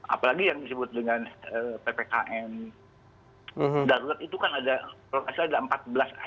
apalagi yang disebut dengan ppkm darurat itu kan ada empat belas item